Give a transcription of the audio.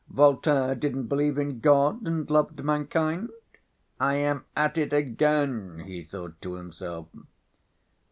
Voltaire didn't believe in God and loved mankind?" ("I am at it again," he thought to himself.)